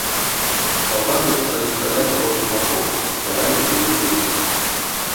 Салдаты пачалі страляць з розных бакоў і стралялі хвілін дзесяць.